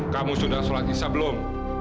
kamu sudah solat isa belum